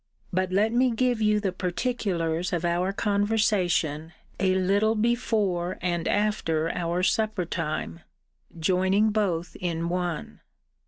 But let me give you the particulars of our conversation a little before and after our supper time, joining both in one.